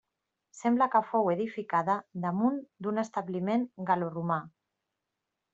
Sembla que fou edificada damunt d'un establiment gal·loromà.